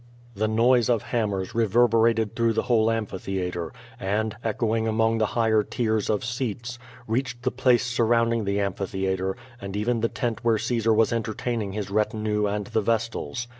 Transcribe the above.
The noise of hammers reverberated through the whole amphitheatre, and, echoing among the higher tiers of seats, reached the place surrounding the amphitheatre, and even the tent where Caesar was entertain ing his retinue and the vestals.